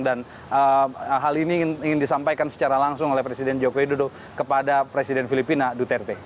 dan hal ini ingin disampaikan secara langsung oleh presiden jokowi dodo kepada presiden filipina duterte